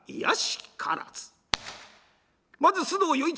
まず須藤与一